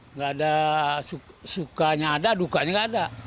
enggak ada sukanya ada dukanya enggak ada